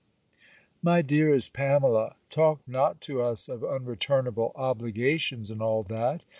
_ MY DEAREST PAMELA, Talk not to us of unreturnable obligations and all that.